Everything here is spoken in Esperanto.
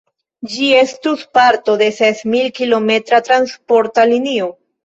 Ĝi estus parto de sesmil-kilometra transporta linio.